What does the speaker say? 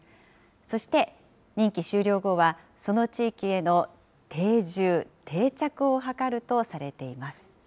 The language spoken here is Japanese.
そして任期終了後は、その地域への定住・定着を図るとされています。